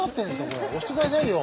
押してくださいよ。